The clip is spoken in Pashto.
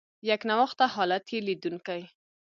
یکنواخته حالت یې لیدونکي.